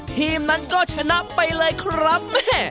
ทีมนั้นก็ชนะไปเลยครับ